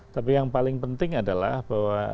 tapi yang paling penting adalah bahwa